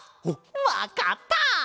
わかった！